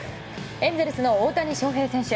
エンゼルスの大谷翔平選手。